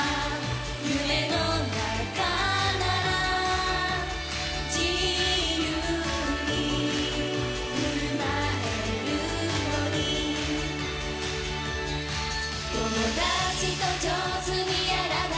夢の中なら自由に振る舞えるのに友達と上手にやらなくちゃ